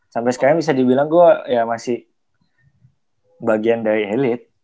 sampai sekarang bisa dibilang gue ya masih bagian dari elit